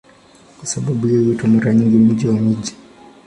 Kwa sababu hiyo huitwa mara nyingi "Mama wa miji".